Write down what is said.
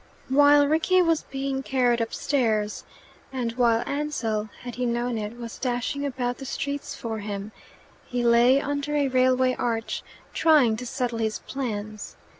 While Rickie was being carried upstairs, and while Ansell (had he known it) was dashing about the streets for him, he lay under a railway arch trying to settle his plans.